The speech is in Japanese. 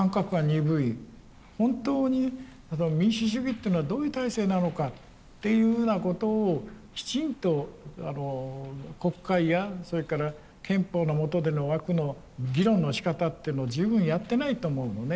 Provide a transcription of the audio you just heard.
本当に民主主義っていうのはどういう体制なのかというふうなことをきちんと国会やそれから憲法の下での枠の議論のしかたっていうのを十分やってないと思うのね。